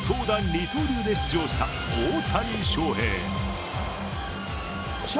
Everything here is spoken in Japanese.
二刀流で出場した大谷翔平。